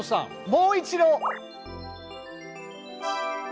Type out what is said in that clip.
もう一度！